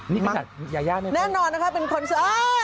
นี่คือค่ะยายาในเพลิงแน่นอนนะคะเป็นคนอ่า